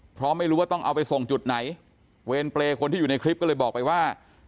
เพราะไม่รู้ว่าต้องเอาไปส่งจุดไหนเวรเปรย์คนที่อยู่ในคลิปก็เลยบอกไปว่า